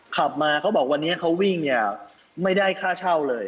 ขับมาเขาบอกวันนี้เขาวิ่งเนี่ยไม่ได้ค่าเช่าเลย